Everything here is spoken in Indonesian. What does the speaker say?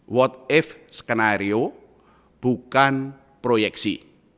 what if skenario bukan proyeksi